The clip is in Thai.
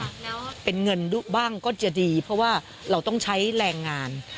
แล้วเป็นเงินดุบ้างก็จะดีเพราะว่าเราต้องใช้แรงงาน